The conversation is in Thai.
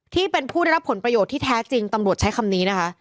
ที่เป็นผู้ได้รับผลประโยชน์ที่แท้จริงตำรวจใช้คำนี้นะคะ